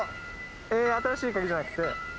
『新しいカギ』じゃなくて。